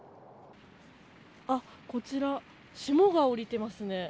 こちら、霜が降りてますね。